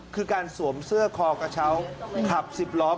คือการสวมเสื้อคอเกะเช้าขับ๑๐ล้อแบบนี้ครับ